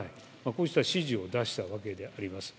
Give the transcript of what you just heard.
こうした指示を出したわけであります。